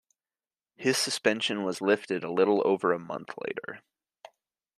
His suspension was lifted a little over a month later.